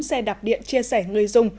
xe đạp điện chia sẻ người dùng